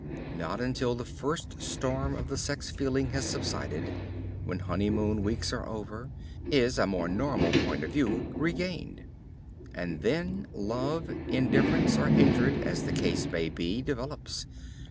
Not until the first storm of the sex feeling has subsided, when honeymoon weeks are over, is a more normal point of view regained. And then love, indifference, or hatred, as the case may be develops.